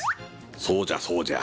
そうじゃそうじゃ。